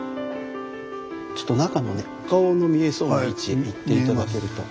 ちょっと中のねお顔の見えそうな位置へ行って頂けると。